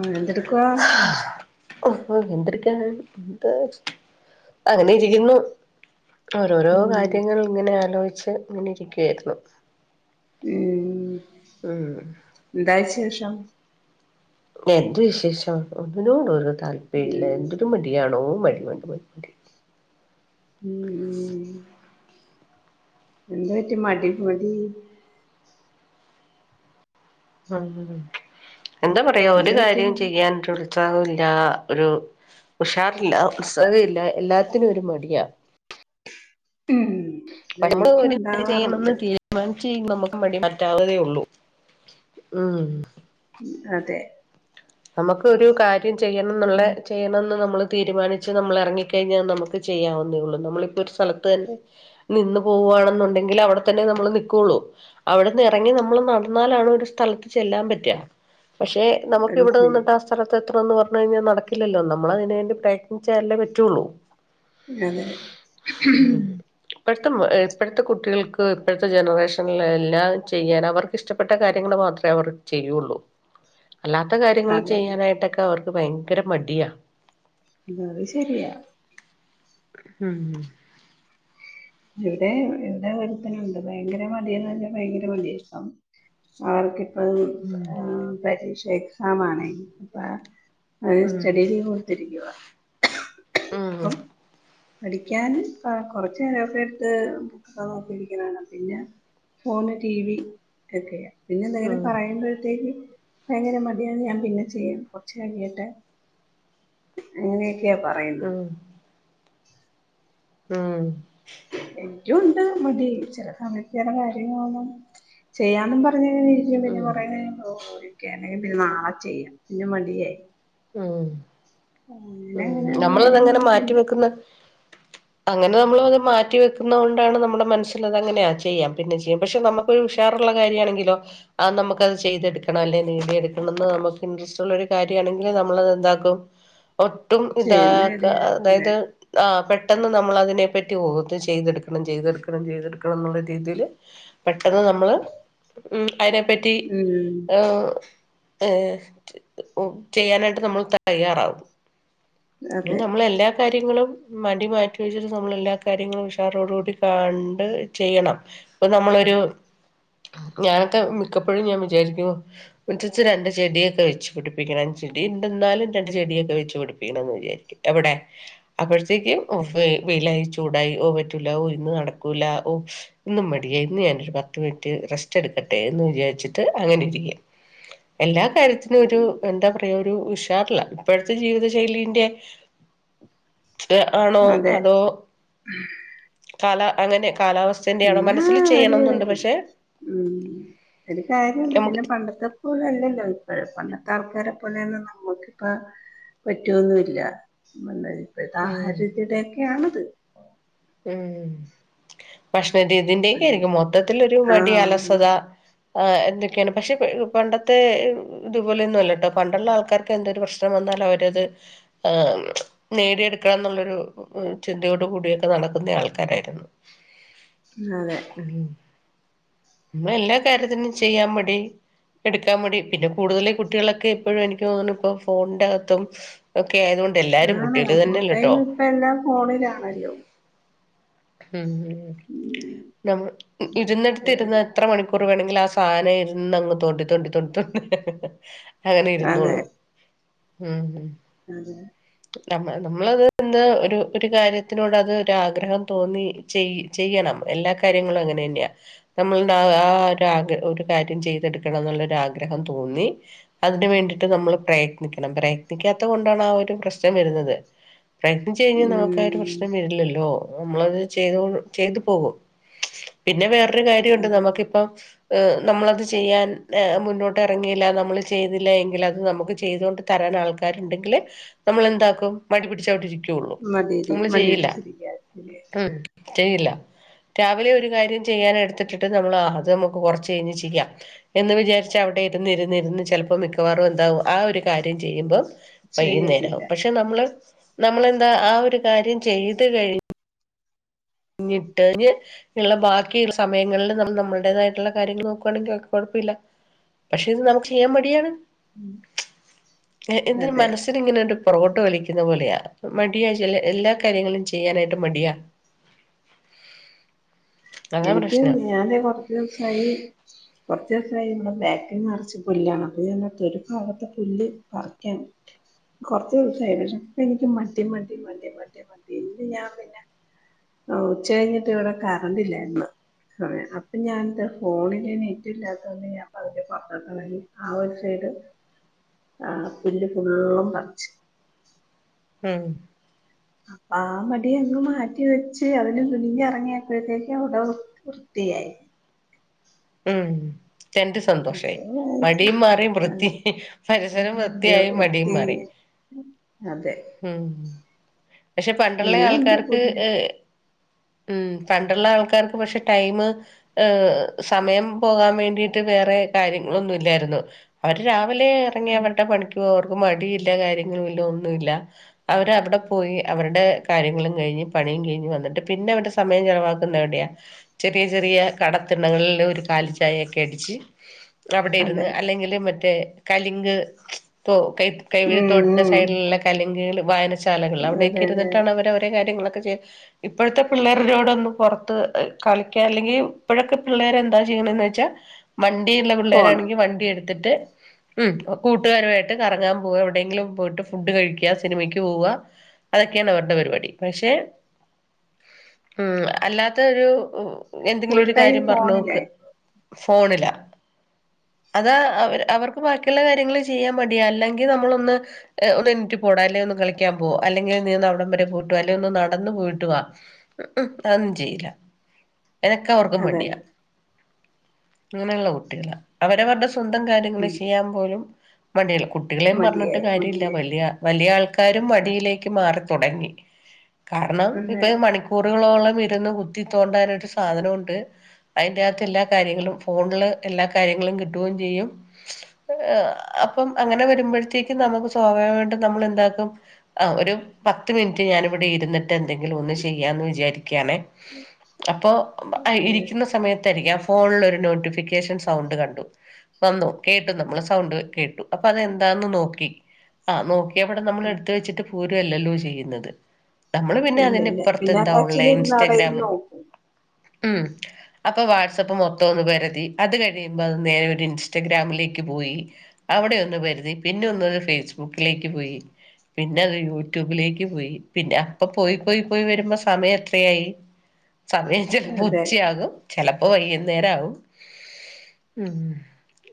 ആ എന്തെടുക്കുവാ എന്തെടുക്കി എന്താ അങ്ങനെ ഇരിക്കുന്നു ഓരോരോ ഉം കാര്യങ്ങൾ ഇങ്ങനെ ആലോചിച്ച് ഇങ്ങനിരിക്കായിരുന്നു ഉം ന്താ ച് ദിൽഷ എന്ത് വിശേഷം ഒന്നിനോടൊരു താല്പര്യില്ല ഉം എന്തൊരു മടിയാടോ മടി വന്ന് പോയി ഉം എന്ത് പറ്റി മടി മടി ആഹ് എന്താ പറയാ ഒരു എന്ത് പറ്റി കാര്യോം ചെയ്യാൻട്ട്ള്ള് ഉത്സാഹവില്ല ഒരു ഉഷാറില്ല ഉത്സാഹയില്ല എല്ലാത്തിനും ഒരു മടിയാ. ഉം പക്ഷെ നമ്മള് അതെനിക്കും ഒരു പണി ചെയ്യണംന്ന് ഉണ്ടാവാറുണ്ട് തീരുമാനി ചെയ് നമ്മക്ക് മടി മാറ്റാവുന്നേ ഒള്ളൂ ഉം. അതെ. നമ്മക്ക് ഒരു കാര് ര്യം ചെയ്യണംന്നുള്ള ആ, ചെയ്യണംന്ന് നമ്മള് തീരുമാനിച്ച് നമ്മളെറങ്ങി കഴിഞ്ഞാ നമ്മക്ക് ചെയ്യാവുന്നേയുള്ളൂ. നമ്മളിപ്പൊരു സ്ഥലത്ത് തന്നെ നിന്നു പോവ്വാണെന്നുണ്ടെങ്കിലവിടെ തന്നെ നമ്മള് നിക്കുവൊള്ളൂ. അവിടന്നെറങ്ങി നമ്മള് നടന്നാലാണ് ഒരു സ്ഥലത്ത് ചെല്ലാൻ പറ്റ്ആ. പക്ഷേ നമക് അത് ശരി അതെന്താ ടാസ്ച്ചറാത്തെ ഇത്രംന്നു പറഞ്ഞ് കഴിഞ്ഞാ നടക്കില്ലല്ലോ നമ്മളതിന് വേണ്ടി പ്രയത്നിച്ചാലല്ലേ പറ്റുവൊള്ളൂ. അതേ. ഇപ്പഴത്തെ മ് ഏ ഇപ്പഴത്തെ കുട്ടികൾക്ക് ഇപ്പഴത്തെ ജനറേഷൻലെ എല്ലാ ചെയ്യാൻ അവർക്കിഷ്ടപ്പെട്ട കാര്യങ്ങൾ മാത്രേ അവർ ചെയ്യുവൊള്ളൂ അല്ലാ ടെ കാര്യങ്ങള് അതെ ചെയ്യാനായിട്ടക്കവർക് ഭയങ്കര മടിയാ. അത് ശരിയാ. ഉം. ഇവിടെ ഇവിടേം അങ്ങനെതന്നെയുണ്ട് ഭയങ്കര മടിയാന്ന് പറഞ്ഞാ ഭയങ്കര മടിയാ സം ആർക്ക് അപ്പഴ് ഉം ആഹ് പരീക്ഷ് എക്സാമാണേ പാ അയിന് ഉം സ്റ്റഡി ലീവ് കൊടുത്തിരിക്കുവാ. ഉം പ്പം പഠിക്കാന് ആഹ് കൊറച്ച് നേരോ ക്കെടുത്ത് ബുക്സ് നോക്കിയിരിക്കണ കാണാം പിന്നെ ഫോണ് ടിവി എക്കെയാ. പിന്നെ എന്തെങ്കിലും ഉം പറയുമ്പഴത്തേക്ക് ഭയങ്കര മടിയാണ് ഞാൻ പിന്നെ ചെയ്യാം കൊറച്ച് കഴിയട്ടെ അങ്ങനെയൊക്ക് ക്കെയാ പറയുന്നത്. [inaudible] ഉം. ജ്ജുവൊണ്ട് മതീ ചെല സമയത്ത് ചെലകാര്യങ്ങൾ ചെയ്യാന്നും പറഞ്ഞ് എണീച്ചും പിന്നേ കൊറേ കഴിയുമ്പോൾ അവൻ ഓടി പിന്നെ നാളെ ചെയ്യാം പിന്നെ മടിയായി. ഉം. അങ്ങനെ ഉം അങ്ങനെയുള്ള നമ്മളതങ്ങിനെ കാര്യങ്ങളൊക്കെ ഉണ്ട് മാറ്റിവെക്കുന്ന അങ്ങനെ നമ്മളത് മാറ്റിവെക്കുന്നകൊണ്ടാണ് നമ്മടെ മനസ്സിൽ അതങ്ങനെയാ ചെയ്യാം പിന്നെ ചെയ്യാം പക്ഷെ നമ്മക്കൊരുഷാറുള്ള കാര്യാണെങ്കിലോ അത് നമ്മക്കത് ചെയ്തെടുക്കണം അല്ലേ നേടിയെടുക്കണം എന്ന് നമ്മക്ക് ഇന്ട്രെസ്ട്ടൊള്ള കാര്യാണെങ്കില് നമ്മളതെന്താക്കും ഒട്ടും ചെയ്യുന്ന അതെ ഇതാക്കാതെ അതായതു ആ പെട് ട്ടെന്ന് നമ്മളതിനെപ്പറ്റി ഓ ഇത് ചെയ്തെടുക്കണം ചെയ്തെടുക്കണം ചെയ്തെടുക്കണംന്നൊള്ള രീതില് പെട്ടെന്ന് നമ്മള് ഉം അതിനെപ്പറ്റി ഉം ഉം ഉം ചെയ്യാനായിട്ട് നമ്മള് തയ്യാറാകും. ഇങ്ങനെ അതെ നമ്മളെല്ലാകാര്യങ്ങളും മടി മാറ്റി വച്ചിട്ട് നമ്മളെല്ലാ കാര്യങ്ങളും ഉഷാറോടുകൂടി കണ്ടു ചെയ്യണം ഇപ്പം നമ്മളൊരു, ഞാനൊക്കെ മിക്കപ്പഴും ഞാൻ വിചാരിക്കും മുറ്റത്തു രണ്ടു ചെടിയൊക്കെ വച്ചു പിടിപ്പിക്കണം, ചെടിയൊണ്ടെന്നാലും രണ്ടു ചെടിയൊക്കെ വച്ചു വച്ചു പിടിപ്പിക്കണംന്ന്‌ വിചാരിക്കും എവിടെ, അപ്പോഴത്തേക്കും ഓഫ്‌ വെയിലായി ചൂടായി ഓ പറ്റൂല ഓ ഇന്ന് നടക്കൂല ഓ ഇന്നും മടിയായി ഇന്ന് ഞാനൊരു പത്തു മിനിറ്റ് റെസ്റ്റെടുക്കട്ടെ എന്ന് വിചാരിച്ചിട്ടു അങ്ങനിരിക്കും. എല്ലാ കാര്യത്തി ഇന്നൊരു എന്താ പറയ്യാ ഒരു ഉഷാറില്ല. പ്പഴത്തെ ജീവിത ഷൈലീന്റെ ഇതാണോ അതെ അതോ കാലാ അങ്ങനെ കാലാവസ്ഥന്റെ ആണോ പിന്നേ മനസ്സിൽ ഒരു ചെയ്യണന്നുണ്ട് പക്ഷെ ഉം ഒരു കാര്യംണ്ടു നമുക്ക് പിന്നെ പണ്ടത്തെപ്പോലെയല്ലല്ലോ ഇ പണ്ടത്തെ ആൾകാരെപോലെയൊന്നും നമ്മക്കിപ്പോ പറ്റുവൊന്നുവില്ല. അല്ലേ ഉം പിതാഹരിതിടെക്കയാണ്. [unintelligible] ഉം ഭക്ഷണരീതീന്റക്കെയാരിക്കും മൊത്തത്തിലൊരു മടി ആഹ് അലസത ഉണ്ട് ആ എന്തെ ക്കെയാണ് പക്ഷെ പണ്ടത്തെ ഇതുപോലെയൊന്നുമല്ല കേട്ടോ പണ്ടൊള്ള ആൾക്കാർക്ക് എന്തേലും പ്രശ്നം വന്നാലവരത് ആ നേടിയെടുക്കണന്നൊള്ളൊരു ചിന്തയോടു കൂടിയ ക്കെ നടക്കുന്ന ആൾക്കാരായിരുന്നു. അതേ ഇന്നെല്ലാ കാര്യത്തിനും ചെയ്യാൻ മടി എടുക്കാൻ മടി പിന്നേ കൂടുതലീ കുട്ടികളൊക്കെ എപ്പോഴും എനിക്ക് തോന്നുണു ഇപ്പം ഫോണിന്റകത്തും ഒക്കെ ആയതുകൊണ്ട് എല്ലാരും ആണ് കുട്ടികള് തന്നെയല്ലട്ടോ ഫുൾടൈം ഇപ്പം എല്ലാം ഫോണിലാണല്ലോ. ഉം ഉം നമ്മൾ അതെ ഇരുന്നെടത്തിരുന്നു എത്ര മണിക്കൂ റു വേണ്ടെങ്കിലും ആ സാധനം ഇരുന്നങ്ങു തോണ്ടിത്തോണ്ടിത്തോണ്ടിതോണ്ടി. അങ്ങനെയിരുന്നോളും. ഉം അതേ നമ്മള് നമ്മളത് അത് എന്താ ഒരു ഒരു കാര്യത്തിനോട് അത് ഒരാഗ്രഹം തോന്നി ചെയ് ചെയ്യണം, എല്ലാ കാര്യങ്ങളും അങ്ങനെന്നെയാ. നമ്മളാ ആ ഒരാഗ്ര ഒരു കാര്യം ചെയ്തെടുക്കണന്നൊള്ളൊരാഗ്രഹം തോന്നി അതിനു വേണ്ടീട്ടു നമ്മള് പ്രയത്നിക്കണം പ്രയത്നിക്കാത്തകൊണ്ടാണ് ആ ഒരു പ്രശ് ച്ചൻ വരുന്നത് പ്രയഗ്നിച്ചു കഴിഞ്ഞാൽ നമുക്കാ ഒരു ഉം പ്രശ്നം വരില്ലല്ലോ നമ്മളത് ചെയ്ത ചെയ്തു പോകും പിന്നെ വേറെ വേറൊരു കാര്യംണ്ട് അതെ നമുക്കിപ്പം നമ്മളത് ചെയ്യാൻ മുന്നോട്ട് ഇറങ്ങിയില്ല നമ്മൾ ചെയ്തില്ല എങ്കിൽ അത് നമുക്ക് ചെയ്തോണ്ട് തരാൻ ആൾക്കാരുണ്ടെങ്കില് നമ്മളെന്താക്കും മടി പിടിച്ചവിടിരിക്കും ഇരിക്കോളൂ മടിയടി നമ്മള് ചെയ്യില്ല മടിപിടിച്ചിരിക്ക മ് ചെയ്യില്ല രാവിലെ ഒരു കാര്യം ചെയ്യാനെടുത്തിട്ടിട്ട് നമ്മൾ ആ അത് നമുക്ക് കുറച്ച് കഴിഞ്ഞ് ചെയ്യാം എന്ന് വിചാരിച്ച അവിടെ ഇരുന്ന് ഇരുന്ന് ഇരുന്ന് ചിലപ്പോൾ മിക്കവാറും എന്താവും ആ ഒരു കാര്യം ചെയ്യുമ്പം വൈകുന്നേരമാവും ചെയ്യത്തില്ല പക്ഷെ നമ്മള് നമ്മളെന്താ ആ ഒരു കാര്യം ചെയ്ത് കഴിഞ്ഞു ഞ്ഞിട്ട്ഴഞ്ഞ് ഉള്ള ബാക്കിയുള്ള സമയങ്ങളില് നമ്മൾ നമ്മളുടേതായിട്ടുള്ള കാര്യങ്ങൾ നോക്കുകയാണെങ്കിൽ നമ്മുക്ക് കുഴപ്പില്ല പക്ഷെ അത് നമുക്ക് ചെയ്യാൻ മടിയാണ് ഉം. എന്തിന് അതെ മനസ്സിൽ ഇങ്ങനൊരു പൊറകോട്ട് വലിക്കുന്ന പോലെയാ മടിയാ ചില എല്ലാ കാര്യങ്ങളും ചെയ്യാനായിട്ട് മടിയാ അതാ എനിക്ക് പ്രശ്നം ഞാന് കൊറച്ച് ദിസായി കൊ കൊറചോസായിമ്പം ബാക്കി നിറച്ച് പുല്ലാണ് അപ്പൊ ഞാനാ തൊടി ഭാഗത്തെ പുല്ല് പറിക്കാണ് കുറച്ച് ദിവസായി പക്ഷേ ഇപ്പ എനിക്ക് മടി മടി മടി മടി മടി ഇന്ന് ഞാൻ പിന്നെ ഉച്ച കഴിഞ്ഞിട്ട് ഇവിടെ കറണ്ടില്ലാരുന്നു ന്ന് അപ്പൊ ഞാനെന്ത ഫോണില് നെറ്റ് ഇല്ലാതൊണ്ട് ഞാൻ പത്ക്കെ [unintelligible] ആ ഒരുസൈഡ് ആ പുല്ല് ഫുള്ളും പറച്ച് ഉം അപ്പ ആ മടി അങ്ങ് മാറ്റി വെച്ച് അതിന് തുനിഞ്ഞ് ഇറങ്ങിയപ്പോഴത്തേക്ക് ഓരോ വൃത്തിയായി ഉം രണ്ട് അപ്പോ സന്തോഷയി വിചാരിച്ച് മടിയും മാറി ആഹ് വൃത്തി പരിസരം വൃത്തിയായി മടിയും വൃത്തി മാറി അതെ ഉം പക്ഷെ പണ്ടുള്ള ഇനിയുണ്ട് ആൾക്കാർക്ക് പുല്ല് ഇ ഉം പണ്ടുള്ള ആൾക്കാർക്ക് പക്ഷെ ടൈം ഏ സമയം പോകാൻ വേണ്ടിട്ട് വേറെ കാര്യങ്ങളൊന്നും ഇല്ലാരുന്നു പടി രാവിലെ ഇറങ്ങിയ അവരുടെ പണിക്കുപോവറ് ക്ക് മടിമില്ല കാര്യങ്ങളും ഇല്ല ഒന്നുമില്ല അവരവിടെ പോയി അവരുടെ കാര്യങ്ങളും കഴിഞ്ഞ് പണീം കഴിഞ്ഞ് വന്നിട്ട് പിന്നെ അവടെ സമയം ചിലവാക്കന്നെ എവിടെയാ ചെറിയ ചെറിയ കടതി കളിൽ ഒരു കാലി ചായയൊക്കെ അടിച്ച് അവിടെ ഇരുന്ന് അതെ അല്ലെങ്കിൽ മറ്റേ കലിങ്ക് ഇപ്പൊ കൈ ഉം കൈവരിത്തോടിന്റെ ഉം സൈഡിലുള്ള കലങ്കുകളും വയന ശാലകൾ അവിടേക്കെ അതെ അതെ ഇരിന്നിട്ടാണ് അവരഒരെ കാര്യങ്ങളൊക്കെ ചെ ഇപ്പോഴത്തെ പിള്ളേരോട് ഒന്ന് പൊറത്ത് കളിക്ക അല്ലെങ്കിൽ ഇപ്പഴൊക്കെ പിള്ളേരെ എന്താ ചെയ്യെണന്ന് വെച്ച വണ്ടിയിള്ള ഫോൺ പിള്ളേരാണെങ്കി വണ്ടി എട് എടിത്തിട്ട് ഉ കൂട്ടുകാരുമായിട്ട് കറങ്ങാൻ പോവ എവിടെയെങ്കിലും പോയിട്ട് ഫുഡ് കഴിക്ക സിനിമക്ക് പോവ അതൊക്കെയാണ് ഇവരുടെ പരിപാടി പക്ഷെ മ് അല്ലാത്ത ഒരു ഫുൾ എന്തെങ്കിലും ഒരു ടൈം കാര്യം പറഞ്ഞു നോക്ക് ഫോണിലായി ഫോണിലാ അത് അവര് അവർക്ക് ബാക്കിയുള്ള കാര്യങ്ങൾ ചെയ്യാൻ മടിയാ അല്ലെങ്കിൽ നമ്മൾ ഒന്ന് ഏഹ് ഒന്ന് എന്നെഴുന്നേറ്റ് പോട അല്ലെങ്കിൽ ഒന്ന് കളിക്കാൻ പോ അല്ലെങ്കിൽ നീ അവിടെ വരെ ഒന്ന് പോയിട്ട് വ അല്ലെങ്കിൽ ഒന്ന് നടന്നു പോയിട്ട് വാ അത് ഒന്നും ചെയ്യില്ല അതൊക്കെ അവർക്ക് അതെ മടിയാ അങ്ങനെ ഉള്ള കുട്ടികളാ അവരവരുടെ സു സ്വന്തം കാര്യങ്ങള് ഉം ചെയ്യാൻ പോലും മടിയുള്ള കുട്ടികളെയും പറഞ്ഞിട്ട് മതിയായി കാര്യം ഇല്ല മതിയായി വലിയ വലിയ ആൾ അവരും മടിയിലേക്ക് മാറിത്തുടങ്ങി കാരണം അതെ ഇപ്പം മണിക്കൂറ് റോളംഇരുന്ന് കുത്തിത്തോണ്ടാൻ ഒരു സാധനം ഉണ്ട് അതിന്റാത്ത് എല്ലാ കാര്യങ്ങളും ഫോണുകളില് എല്ലാ കാര്യങ്ങളും കിട്ടുകയും ചെയ്യും അ് അപ്പം അങ്ങനെ വരുമ്പഴുത്തേക്ക് നമ്മുക്ക് സ്വാഭാവികം ആയിട്ടും നമ്മൾ എന്താക്കും ആ ഒരു പത്ത് മിനിറ്റ് ഞാൻ ഇവിടെ ഇരുന്നിട്ട് എന്തെങ്കിലും ഒന്ന് ചെയ്യാമെന്ന് വിചാരിച്ച് കാമേ അപ്പോ ആ ഇരി അതെ രിക്കുയ ഫോണിൽ ഒരു നോട്ടിഫിക്കേഷൻ സൗണ്ട് കണ്ടു അപ്പം കേട്ടു നോക്ക സൗണ്ട് കേട്ടു അപ്പം അത് എന്താണെന്ന് നോക്കി ആ നോ ഇവിടെ നമ്മൾ എടുത്തു അതെ. വെച്ചിട്ട് ഫു അല്ലല്ലോ ചെയ്യുന്നത് നമ്മള് പിന്നെ ഇല്ല ഇല്ല അതിനിപ്പുറത്ത് പിന്നെ എന്താ ഉള്ളേ തച്ചിൻ ഇരുന്ന് ആ പേര് ഇൻസ്റ്റഗ്രാം നോക്കും ഉം അപ്പോ വാട്സ്ആപ്പ് മൊത്തം ഒന്ന് പരുതി അത് കഴിയുമ്പോ നേരെ ഒന്ന് ഇൻസ്റ്റാഗ്രാമിലേക്ക് പോയി അവിടെ ഒന്ന് പരിധി പിന്നെ ഒന്ന് ഫേസ്ബുക്കിലേക്ക് പോയിപിന്നെ യൂട്യൂബിലേക്ക് പോയി പിന്നെ അപ്പംപോയി പോയി പോയി വരുമ്പോൾ സമയം എത്രയായി സമയം ചിലപ്പോ അതെ ഉച്ചയാകും ചിലപ്പോ വൈകുന്നേരം ആകും ഉം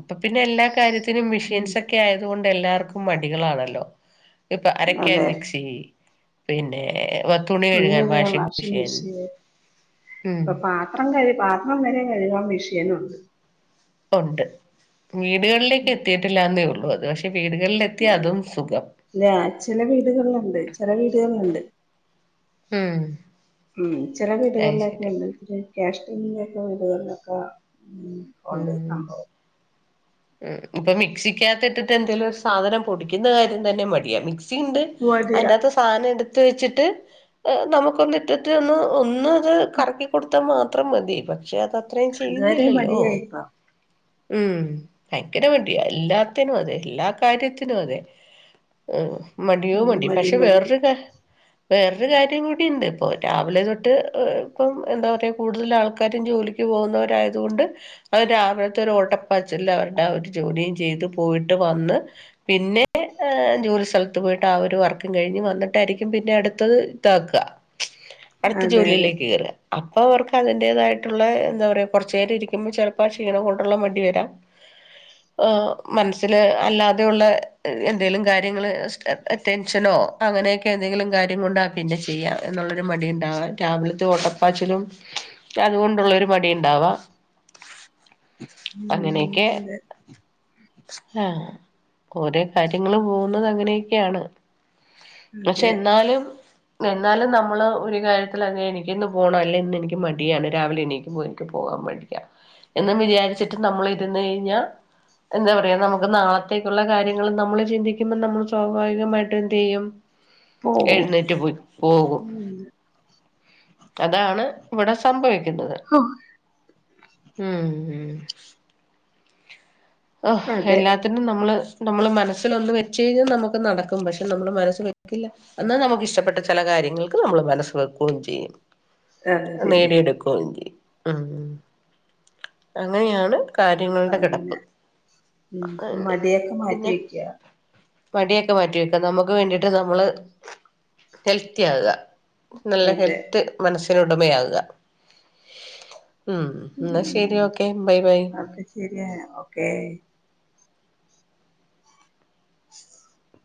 അപ്പോ പിന്നെ എല്ലാ കാര്യ ഉം മെഷീൻസ് ഒക്കെ ആയതുകൊണ്ട എല്ലാർക്കും മടികൾ ആണല്ലോ ഇപ്പം അരയ്ക്കാൻ അതെ മിക്സി പിന്നെ തുണി കഴുകാൻ വാഷിംഗ് മെഷീൻ ഉം ഇപ്പം പാത്രം കഴുകുക ത്രം വരെ കഴുകാൻ മെഷീൻ ഉണ്ട് ഉണ്ട് വീടുകളിലേക്ക് ഉം. എത്തിയിട്ടില്ലന്നേ ഉള്ളൂ [unintelligible] [unintelligible] അതും സുഖം ചില വീടുകളിൽ ഉണ്ട് ചില വീടുകളിൽ ഉണ്ട് ഉം ഉം ചില അയ് വിടുകളിൽ ഒകൈ ശരി ഉണ്ട് കാശ് ഉള്ള വീടുകളിലൊക്ക ഉം ഒണ്ട് ഉം സംഭവം ഉം ഇപ്പം മിക്സി അകത്തിട്ടട്ട് എന്തെങ്കിലും ഒരു സാധനം പൊടിക്കുന്ന കാര്യം തന്നെ മടിയാ മക് ഇണ്ട് മടിയാ അതിനത്ത് സാധനം ഇ റ്റ് വെച്ചിട്ട് ഏഹ് നമുക്കൊന്നിട്ടിറ്റ് ഒന്ന് ഒന്ന് അത് കറക്കി കൊടുത്താ മാത്രം മതി പ്പ ക്ഷെ അതത്രയും അതുവരെ ചെയ്യുന്നില്ലല്ലോ മടിയാ ഇപ്പൊ ഉം ഭയങ്കര മടിയ എല്ലാത്തിനും അതെ എല്ലാ കാര്യത്തിനും അതെ ഉം മടിയോ മടി പക്ഷെ വേർരു ക വേറൊരു കാര്യം കൂടിയ്ണ്ട് പ്പോ രാവിലെ തൊട്ട് എ എ ഇപ്പം എന്താ പറയാ കൂടുതലു ആൾക്കാരും ജോലിക്ക് പോകുന്നവരായത് കൊണ്ട് അത് രാവിൾത്തെ ഒരു ഓട്ടപ്പാച്ചില്ലാവരും ട്ടാ ഒര് ജോലീം ചെയ്ത് പോയിട്ട് വന്ന് പിന്നെ ഏഹ് ജോലി സൽത്ത് പോയിട്ട് ആ ഒരു വർക്കും കഴിഞ്ഞ് വന്നിട്ടാരിക്കും പിന്നെ അടുത്തത് ഇതാക്കാ അടുത്ത് അതെ അതെ ജോലിയിലേക്ക് കേറുക [unintelligible] പ്പൊ വർക്ക് അതിന്റേതായിട്ടൊള്ളേ എന്താ പറയാ കൊറച്ചേരം ഇരിക്കുമ്പം ചെലപ്പാ ക്ഷീണോം കൊണ്ടുള്ള മടി വെരാം ആഹ് മൻസ്സില് അല്ലാതെയുള്ളെ ഏ എന്തേലും കാര്യങ്ങള് സ്റ്റെട ടെൻഷനോ അങ്ങനെയെക്കെ എന്തെങ്കിലും കാര്യം കൊണ്ടാ പിന്നെ ചെയ്യാം എന്നൊള്ളോരു മടി ഇണ്ടാവാ രാവിലത്തെ ഓട്ടപ്പാച്ചിലും അതുകൊണ്ടുള്ളൊരു മടിയിണ്ടവാം ഉം [inaudible] അതെ ആഹ് കൊരേ കാര്യങ്ങള് പോകുന്നത് അങ്ങനെയെക്കെയാണ് അക്ഷെ അതെ എന്നാലും നെന്നാലും നമ്മള് ഒരു കാര്യത്തില് അത് എനിക്കിന്ന് പോണം അല്ലേ ഇന്ന് എനിക്ക് മടിയാണ് രാവിലെ എണീക്കുമ്പോ എനിക്ക് പോകാം മടിയ എന്നും വിചാരിച്ചിട്ട് നമ്മളി രുന്ന് കഴിഞ്ഞാ എന്താ പറയാ നമുക്ക് നാളത്തേക്കുള്ള കാര്യങ്ങള് നമ്മള് ചിന്തിക്കുന്ന നമ്മള് സ്വാഭാവികമായിട്ടും എന്തെയ്യും പോവും എഴുന്നേറ്റ് പൊയ് പോകും ഉം അതാണ് ഇവിടെ സംഭവിക്കു എന്നത് ഹോ ഉം ഉം ഓഹ് അതെ എല്ലാത്തിനും നമ്മള് നമ്മള് മനസ്സിലൊന്ന് വെച്ച്ഴിഞ്ഞാ നമൊക്ക് നടക്കും പക്ഷെ നമ്മള് മനസ്സ് വെക്കില്ല അന്നാ നമക്ക് ഇശ്ശപ്പെട്ട ചെല കാര്യങ്ങൾക്ക് നമ്മള് മനസ്സ് വെക്കുവേം ചെയ്യും അതെ ശരിയാ നേടിയെടുക്കുംങ്കി അങ്ങനെയാണ് അപ്പൊ കാര്യങ്ങൾടെ കെടപ്പ് അങ്ങനെ ഉം മടിയക്ക മാറ്റി വെക്ക്യാ മടിയക്കെ മാറ്റി വെക്കാ നമുക്ക് വേണ്ടീട്ട് നമ്മള് ഹെൽത്തിയാകുക നല്ല അതെ ഹെൽത്ത് മനസ്സ് ത്തിനുടമയാകുക ഉം ഓക്കെ ശെരിയായ ഓക്കേ [inaudible]